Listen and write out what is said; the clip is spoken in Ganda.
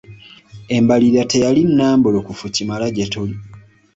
Embalirira teyali nnambulukufu kimala gye tuli.